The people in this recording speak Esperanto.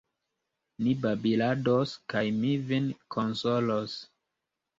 Ni babilados, kaj mi vin konsolos.